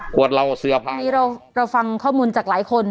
ขวดเหลาเสื้อผ้าเราฟังข้อมูลจากหลายคน